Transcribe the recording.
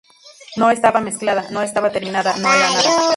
No estaba mezclada, no estaba terminada, no era nada.